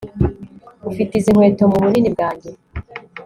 ufite izi nkweto mubunini bwanjye